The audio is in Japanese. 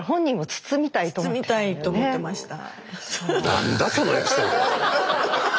筒みたいと思ってました。